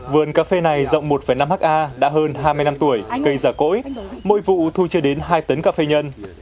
vườn cà phê này rộng một năm ha đã hơn hai mươi năm tuổi cây già cỗi mỗi vụ thu chưa đến hai tấn cà phê nhân